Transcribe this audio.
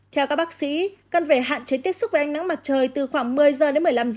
theo các bác sĩ cần phải hạn chế tiếp xúc với ánh nắng mặt trời từ khoảng một mươi h đến một mươi năm h